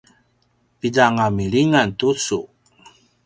pidanga milingan tucu?